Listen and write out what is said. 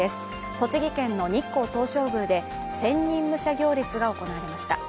栃木県の日光東照宮で千人武者行列が行われました。